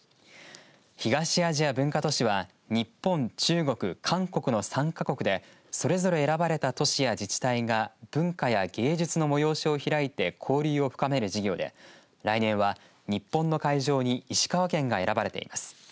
東アジア文化都市は日本、中国、韓国の３か国でそれぞれ選ばれた都市や自治体が文化や芸術の催しを開いて交流を深める事業で来年は日本の会場に石川県が選ばれています。